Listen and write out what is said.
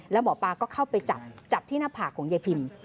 แล้วหมอปลาก็เข้าไปจับจับที่หน้าผากของยายพิม